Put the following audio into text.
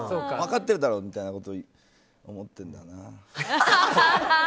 分かってるだろみたいなことを思ってるんだよな。